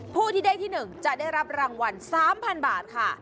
ผู้ที่ได้ที่หนึ่งจะได้รับรางวัลสามพันบาทค่ะ